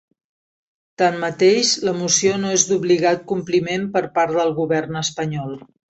Tanmateix, la moció no és d’obligat compliment per part del govern espanyol.